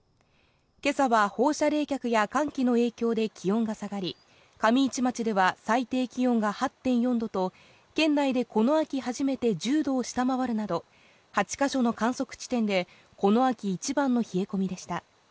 今朝は放射冷却や寒気の影響で気温が下がり、上市町では最低気温が８．４度と、県内でこの秋初めて１０度を下回るなど、８か所の観測地点でこの秋一番の冷え込みでした。